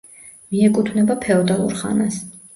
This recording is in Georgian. მიეკუთვნება ფეოდალურ ხანას.